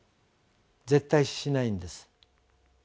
絶対視しないんです。